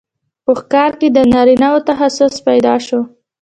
په ښکار کې د نارینه وو تخصص پیدا شو.